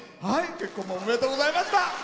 結婚もおめでとうございました。